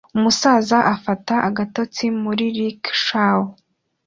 Umusaza afata agatotsi muri rickshaw